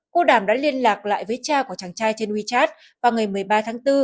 cô đàm đã liên lạc lại với cha của chàng trai trên wechat vào ngày một mươi ba tháng bốn